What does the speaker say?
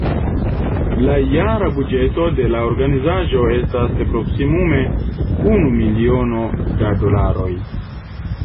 La jara buĝeto de la organizaĵo estas proksimume unu miliono da dolaroj.